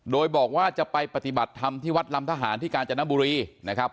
โดยบอกว่าจะไปปฏิบัติธรรมที่วัดลำทหารที่กาญจนบุรีนะครับ